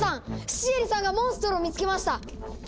シエリさんがモンストロを見つけました！